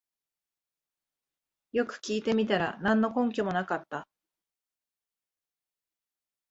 よく聞いてみたら何の根拠もなかった